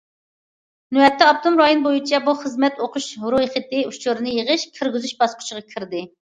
نۆۋەتتە، ئاپتونوم رايون بويىچە بۇ خىزمەت ئوقۇش رويخېتى ئۇچۇرىنى يىغىش، كىرگۈزۈش باسقۇچىغا كىردى.